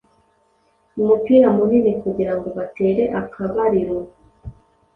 umupira munini kugira ngo batere akabariro.